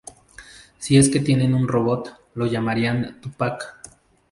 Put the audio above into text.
Si es que tienen un robot, lo llamarían Tupac.